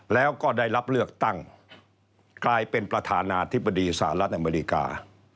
แล้วก็ได้รับเลือกตั้งกลายเป็นประธานาธิบดีสหรัฐอเมริกา